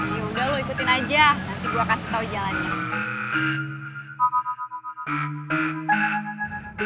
yaudah lo ikutin aja nanti gue kasih tau jalannya